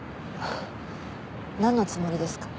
なんのつもりですか？